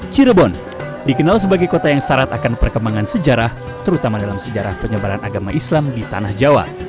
cirebon dikenal sebagai kota yang syarat akan perkembangan sejarah terutama dalam sejarah penyebaran agama islam di tanah jawa